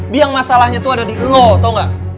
biang masalahnya tuh ada di lo tau gak